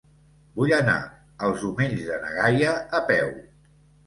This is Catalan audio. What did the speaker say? Vull anar als Omells de na Gaia a peu.